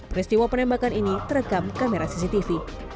peristiwa penembakan ini terekam kamera cctv